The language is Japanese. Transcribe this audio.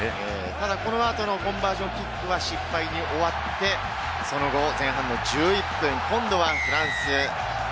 ただ、この後のコンバージョンキックは失敗に終わって、その後、前半１１分、今度はフランス。